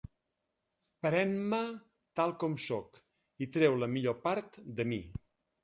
Pren-me tal com sóc i treu la millor part de mi.